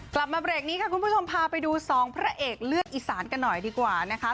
กลับมาเบรกนี้ค่ะคุณผู้ชมพาไปดูสองพระเอกเลือดอีสานกันหน่อยดีกว่านะคะ